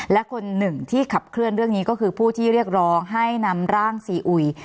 และคนหนึ่งที่ขับเคลื่อนเรื่องนี้ก็คือผู้ที่เรียกร้องให้นำร่างซีอุย